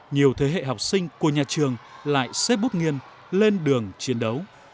nhiều thế hệ học sinh của nhà trường lại xếp bút nghiêng lên đường chiến đấu